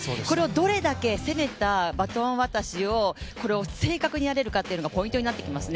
どれだけバトン渡しというのをこれを正確にやれるかがポイントになってきます。